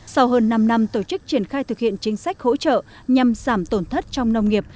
sau hơn năm năm tổ chức triển khai thực hiện chính sách hỗ trợ nhằm giảm tổn thất trong nông nghiệp